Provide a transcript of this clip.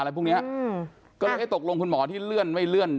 อะไรพรุ่งนี้เลยให้ตกการคุณหมอที่เลื่อนไม่เลื่อน